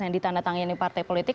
yang ditanda tangan dari partai politik